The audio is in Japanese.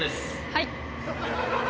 はい。